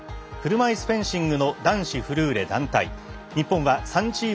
車いすフェンシングの男子フルーレ団体。